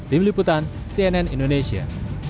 tim liputan cnn indonesia